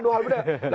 dua hal beda